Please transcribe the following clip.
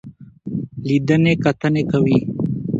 لیدنې کتنې کوي.